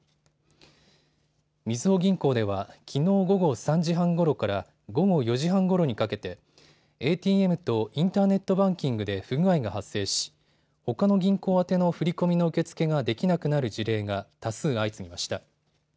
みずほ銀行ではきのう午後３時半ごろから午後４時半ごろにかけてＡＴＭとインターネットバンキングで不具合が発生しほかの銀行宛ての振り込みの受け付けができなくなる事例が多数相次ぎました。